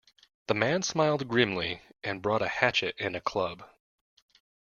The man smiled grimly, and brought a hatchet and a club.